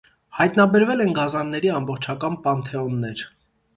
Հայտնաբերվել են գազանների ամբողջական պանթեոններ։